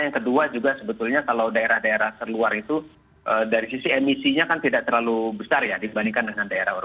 yang kedua juga sebetulnya kalau daerah daerah terluar itu dari sisi emisinya kan tidak terlalu besar ya dibandingkan dengan daerah